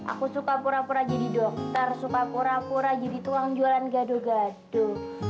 aku suka pura pura jadi dokter suka pura pura jadi tukang jualan gado gado